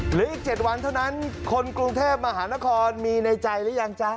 เหลืออีก๗วันเท่านั้นคนกรุงเทพมหานครมีในใจหรือยังจ๊ะ